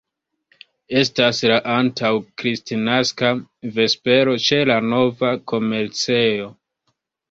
Estas la antaŭ-Kristnaska vespero ĉe la nova komercejo.